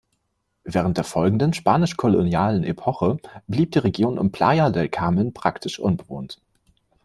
Während der folgenden spanisch-kolonialen Epoche blieb die Region um Playa del Carmen praktisch unbewohnt.